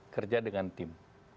kerja dengan tim